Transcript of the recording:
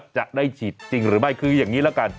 จะได้ฉีดจริงหรือไม่คืออย่างนี้ละกัน